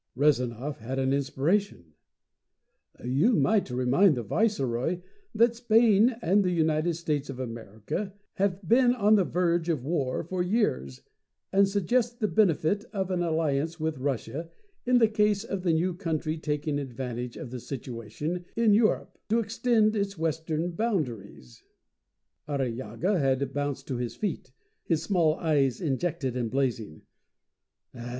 Rezanov had an inspiration. "You might remind the viceroy that Spain and the United States of America have been on the verge of war for years, and suggest the benefit of an alliance with Russia in the case of the new country taking advantage of the situation in Europe to extend its western boundaries " Arrillaga had bounced to his feet, his small eyes injected and blazing.